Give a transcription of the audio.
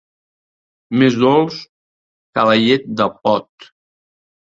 Més dolç que la llet de pot.